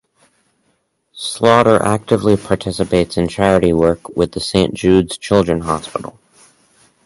Slaughter actively participates in charity work with Saint Jude's Children's Hospital.